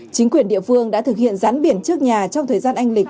chính quyền địa phương đã thực hiện rắn biển trước nhà trong thời gian anh lịch